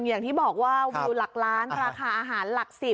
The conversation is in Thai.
อย่างที่บอกว่าวิวหลักล้านราคาอาหารหลัก๑๐